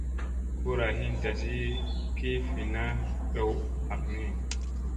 Kura hin tazi ki vinina ɗow ɦak ni.